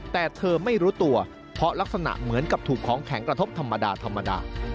แต่เธอไม่รู้ตัวเพราะลักษณะเหมือนกับถูกของแข็งกระทบธรรมดาธรรมดา